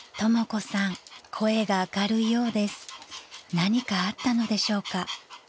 ［何かあったのでしょうか？］